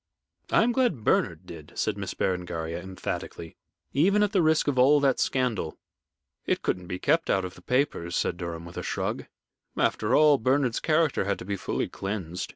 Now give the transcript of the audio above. "I am glad Bernard did," said Miss Berengaria, emphatically; "even at the risk of all that scandal." "It couldn't be kept out of the papers," said Durham, with a shrug. "After all, Bernard's character had to be fully cleansed.